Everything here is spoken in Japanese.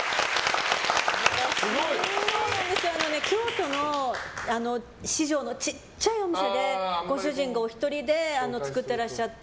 京都の四条のちっちゃいお店でご主人がお一人で作ってらっしゃって。